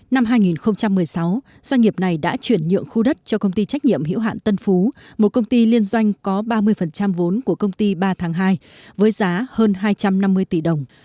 năm hai nghìn một mươi sáu doanh nghiệp này đã chuyển nhượng khu đất cho công ty trách nhiệm hiểu hạn tân phú một công ty liên doanh có ba mươi vốn của công ty ba tháng hai với giá hơn hai trăm năm mươi tỷ đồng